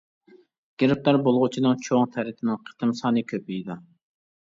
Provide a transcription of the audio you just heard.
گىرىپتار بولغۇچىنىڭ چوڭ تەرىتىنىڭ قېتىم سانى كۆپىيىدۇ.